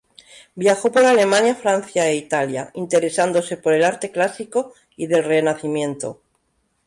Viajó por Alemania, Francia e Italia, interesándose por el arte clásico y del Renacimiento.